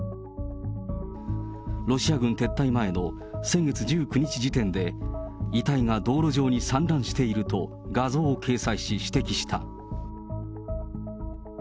ロシア軍撤退前の先月１９日時点で、遺体が道路上に散乱していると画像を掲載し、指摘した。